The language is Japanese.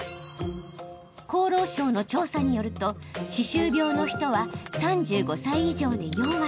厚労省の調査によると歯周病の人は３５歳以上で４割。